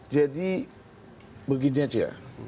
jadi begini aja